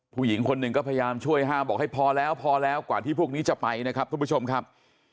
ผู้หญิงคนหนึ่งก็พยายามช่วยห้ามบอกให้พอแล้วพอแล้วกว่าที่พวกนี้จะไปนะครับทุกผู้ชมครับ